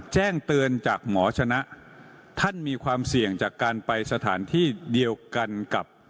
แจ้งเตือนจากหมอชนะท่านมีความเสี่ยงจากการไปสถานที่เดียวกันกับ